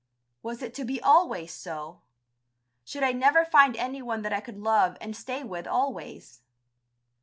Was it to be always so? Should I never find anyone that I could love and stay with always?